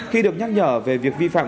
khi được nhắc nhở về việc vi phạm